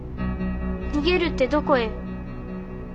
逃げるってどこへ？